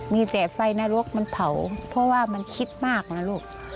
มีแต่ไฟนรกมันเผาเพราะว่ามันคิดมากนะลูก